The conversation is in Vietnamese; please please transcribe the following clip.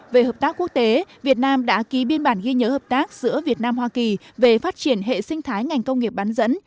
về hợp tác quốc tế việt nam đã ký biên bản ghi nhớ hợp tác giữa việt nam hoa kỳ về phát triển hệ sinh thái ngành công nghiệp bán dẫn